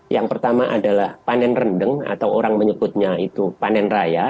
yang pertama adalah panen rendeng atau orang menyebutnya itu panen raya